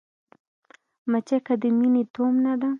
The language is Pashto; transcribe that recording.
مچکه د مينې تومنه ده